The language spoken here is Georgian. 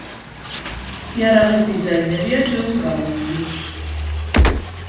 იარაღის დიზაინერია ჯონ ბრაუნინგი.